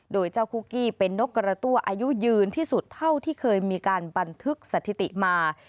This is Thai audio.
โดยเจ้าคุกกี้เป็นนกกระตั้วอายุยืนที่สุดเท่าที่เคยมีการบันทึกสถิติมา